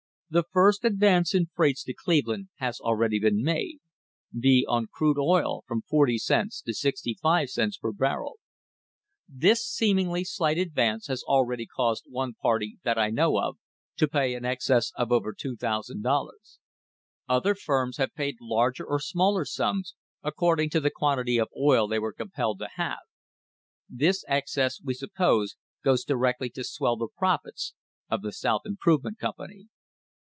The first advance in freights to Cleveland has already been made, viz.: on crude oil, from forty cents to sixty five cents per barrel. This seemingly slight advance has already caused one party that I know of to pay an excess of over $2,000. Other firms have paid larger or smaller sums, according to the quantity of oil they were compelled [8s] THE HISTORY OF THE STANDARD OIL COMPANY to have. This excess, we suppose, goes directly to swell the profits of the South Im provement Company.